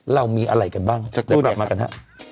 เรามีอะไรกันบ้างเดี๋ยวกลับมากันฮะ